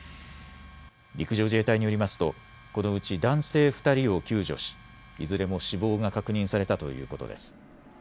陸上自衛隊によりますとこのうち男性２人を救助しいずれも死亡が確認されたということです。